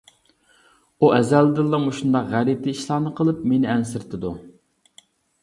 ئۇ ئەزەلدىنلا مۇشۇنداق غەلىتە ئىشلارنى قىلىپ مېنى ئەنسىرىتىدۇ.